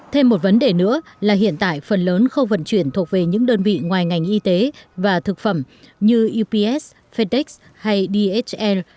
thêm một vấn đề nữa là hiện tại phần lớn khâu vận chuyển thuộc về những đơn vị ngoài ngành y tế và thực phẩm như ups fedex hay dhl